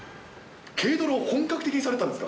ケイドロを本格的にされてたんですか？